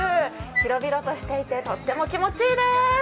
広々としていてとっても気持ちいいです。